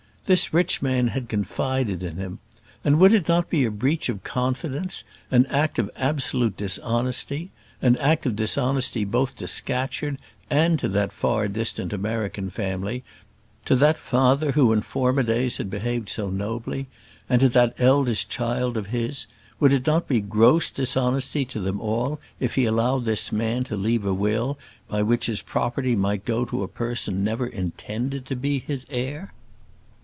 This rich man had confided in him, and would it not be a breach of confidence, an act of absolute dishonesty an act of dishonesty both to Scatcherd and to that far distant American family, to that father, who, in former days, had behaved so nobly, and to that eldest child of his, would it not be gross dishonesty to them all if he allowed this man to leave a will by which his property might go to a person never intended to be his heir?